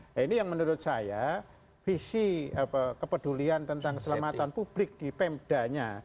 nah ini yang menurut saya visi kepedulian tentang keselamatan publik di pemdanya